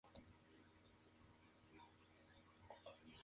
Sin duda podrías entrenar a un mono para que lo haga la misma cosa.